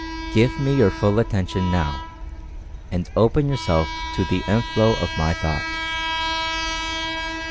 Give me your full attention now, and open yourself to the inflow of my Thought."